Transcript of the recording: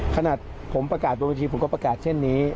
ขนาดผมประกาศบนวิธีผมก็ประกาศเช่นนี้